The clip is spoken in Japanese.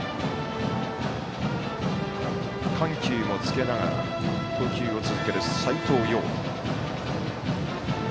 緩急もつけながら投球を続ける斎藤蓉。